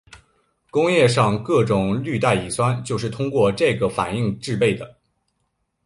工业上各种氯代乙酸就是通过这个反应制备的。